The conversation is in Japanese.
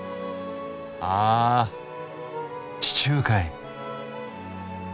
あ地中海！